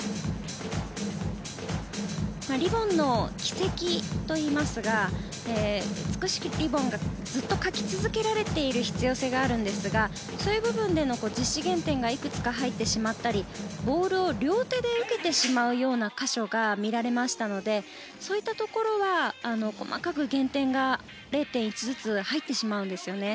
リボンの軌跡といいますが美しくリボンがずっと描き続けられていく必要があるんですがそういう部分での実施減点がいくつか入ってしまったりボールを両手で受けてしまうような箇所が見られましたのでそういったところは細かく減点が０．１ずつ入ってしまうんですね。